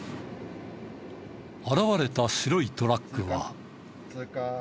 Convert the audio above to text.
現れた白いトラックは。